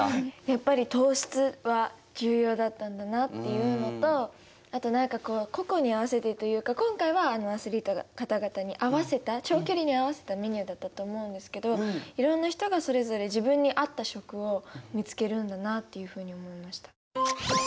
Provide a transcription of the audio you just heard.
やっぱり糖質は重要だったんだなっていうのとあと何かこう個々に合わせてというか今回はアスリートの方々に合わせた長距離に合わせたメニューだったと思うんですけどいろんな人がそれぞれ自分に合った食を見つけるんだなっていうふうに思いました。